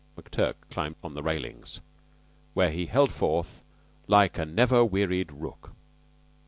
McTurk climbed on the railings, where he held forth like the never wearied rook.